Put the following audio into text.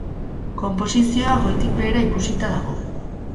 Konposizioa goitik behera ikusita dago.